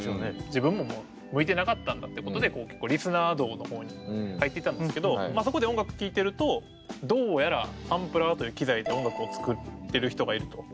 自分ももう向いてなかったんだってことでリスナー道の方に入っていったんですけどまあそこで音楽聴いてるとどうやらサンプラーという機材で音楽を作ってる人がいると。